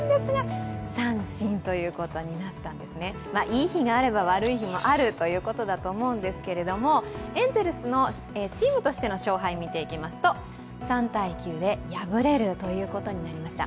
いい日があれば、悪い日もあるということだと思うんですけどエンゼルスのチームとしての勝敗は３−９で敗れるということになりました。